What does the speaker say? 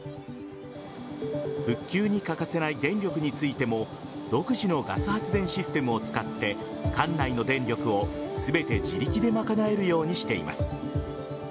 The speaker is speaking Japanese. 復旧に欠かせない電力についても独自のガス発電システムを使って館内の電力を全て自力で賄えるようにしています。